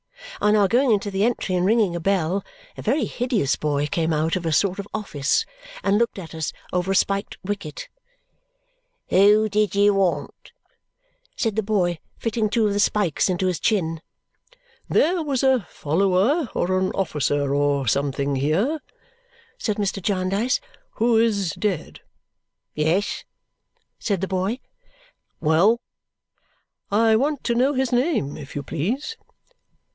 On our going into the entry and ringing a bell, a very hideous boy came out of a sort of office and looked at us over a spiked wicket. "Who did you want?" said the boy, fitting two of the spikes into his chin. "There was a follower, or an officer, or something, here," said Mr. Jarndyce, "who is dead." "Yes?" said the boy. "Well?" "I want to know his name, if you please?"